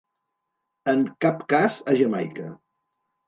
En cap cas a Jamaica.